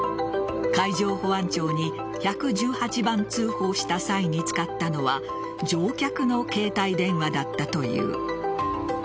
海上保安庁に１１８番通報した際に使ったのは乗客の携帯電話だったという。